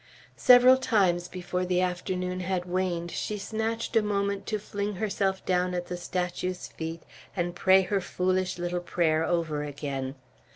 Several times before the afternoon had waned she snatched a moment to fling herself down at the statue's feet and pray her foolish little prayer over again.